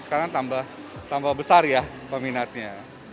sekarang tambah besar ya peminatnya